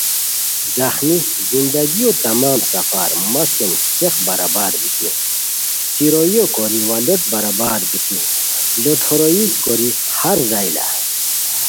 ذخمی ؔ زندگیو تمام سفرا مہ سُم څیق برار بیتی څیروئیی کوری وا لوٹ برار بیتی لوٹھوروئیی کوری ہر زائیلہ